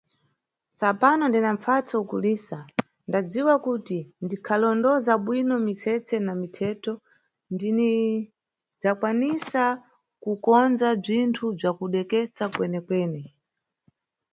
Tsapano ndina mpfatso ukulisa ndadziwa kuti ndikalondoza bwino mitsetse na mithetho ndinidzakwanisa kukonza bzinthu bzakudeka kwene-kwene.